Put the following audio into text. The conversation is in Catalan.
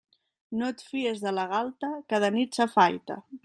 No et fies de la galta que de nit s'afaita.